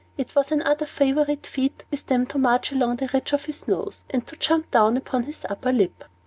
It was another favorite feat with them to march along the bridge of his nose, and jump down upon his upper lip.